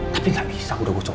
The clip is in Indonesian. tapi gak bisa udah gue coba